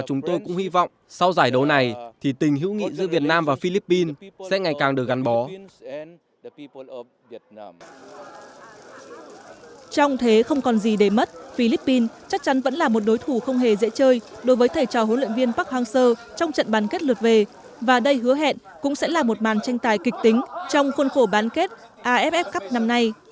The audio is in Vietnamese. chúng tôi sẽ cố gắng hết sức để có kết quả